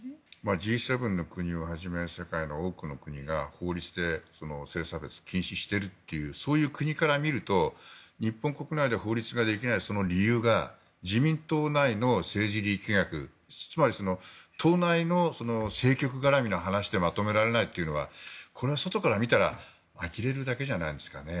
Ｇ７の国をはじめ世界の多くの国が法律で性差別を禁止しているというそういう国から見ると日本国内で法律ができないその理由が自民党内の政治力学つまり党内の政局絡みの話でまとめられないというのはこれは外から見たらあきれるだけじゃないんですかね。